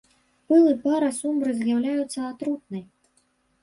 Пыл і пара сурмы з'яўляецца атрутнай.